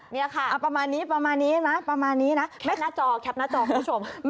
นี่แหละค่ะประมาณนี้นะนะแคปหน้าจอคุณผู้ชมแคปหน้าจอ